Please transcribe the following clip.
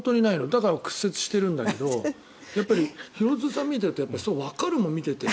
だから屈折してるんだけど廣津留さんを見ているとわかるもん、見ていて。